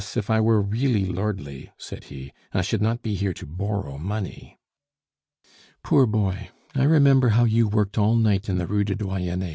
if I were really lordly," said he, "I should not be here to borrow money." "Poor boy! I remember how you worked all night in the Rue du Doyenne.